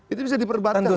itu bisa diperdebatkan loh